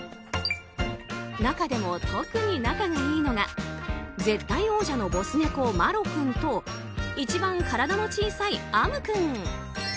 中でも特に仲がいいのが絶対王者のボス猫、麻呂君と一番体の小さい逢夢君。